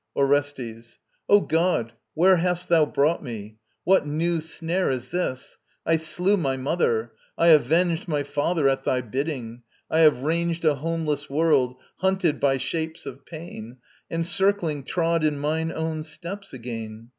] ORESTES. O God, where hast thou brought me? What new snare Is this? I slew my mother; I avenged My father at thy bidding; I have ranged A homeless world, hunted by shapes of pain, And circling trod in mine own steps again.